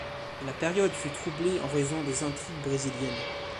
La période fut troublée en raison des intrigues brésiliennes.